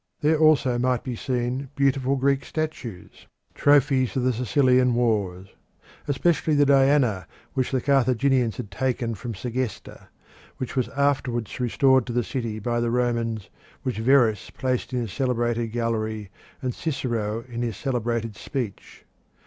There also might be seen beautiful Greek statues, trophies of the Sicilian Wars especially the Diana which the Carthaginians had taken from Segesta, which was afterwards restored to that city by the Romans, which Verres placed in his celebrated gallery and Cicero in his celebrated speech.